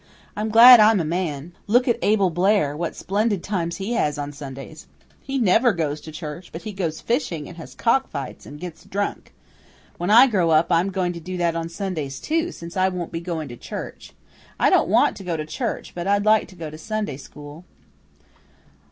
I'm glad I'm a man. Look at Abel Blair, what splendid times he has on Sundays. He never goes to church, but he goes fishing, and has cock fights, and gets drunk. When I grow up, I'm going to do that on Sundays too, since I won't be going to church. I don't want to go to church, but I'd like to go to Sunday school."